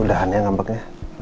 udah aneh ngampeknya